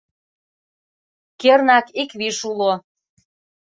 Кернак, ик виш уло...